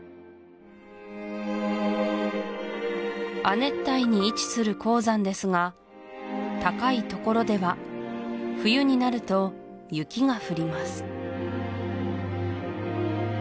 亜熱帯に位置する黄山ですが高いところでは冬になると雪が降ります